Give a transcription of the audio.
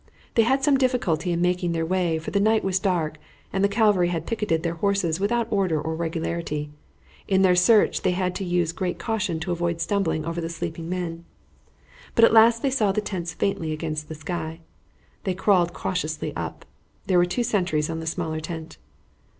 They had some difficulty in making their way, for the night was dark, and the cavalry had picketed their horses without order or regularity. In their search they had to use great caution to avoid stumbling over the sleeping men, but at last they saw the tents faintly against the sky. They crawled cautiously up. There were two sentries on the smaller tent.